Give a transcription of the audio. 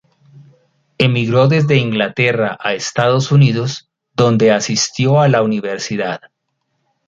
Emigró desde Inglaterra, a Estados Unidos donde asistió a la universidad.